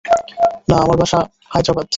না, আমার বাসা হায়দ্রাবাদ।